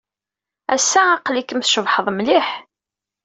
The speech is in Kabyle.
Ass-a, aql-ikem tcebḥed mliḥ.